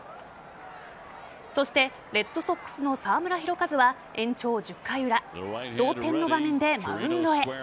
そしてレッドソックスの澤村拓一は延長１０回裏同点の場面でマウンドへ。